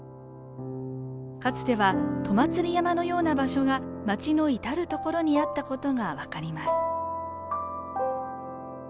かつては戸祭山のような場所が町の至る所にあったことが分かります。